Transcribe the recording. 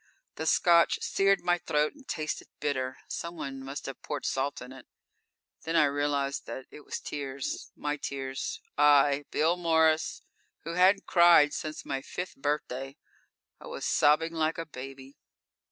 The Scotch seared my throat and tasted bitter; someone must have poured salt in it. Then I realized that it was tears my tears. I, Bill Morris, who hadn't cried since my fifth birthday I was sobbing like a baby.